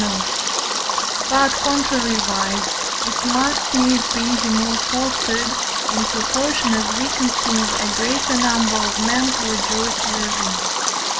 note); but, contrariwise, it must needs be the more fostered, in proportion as we conceive a greater number of men to rejoice therein.